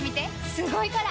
すごいから！